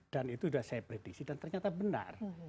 dan itu sudah saya predisi dan ternyata benar